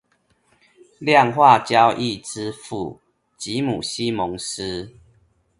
量化交易之父吉姆西蒙斯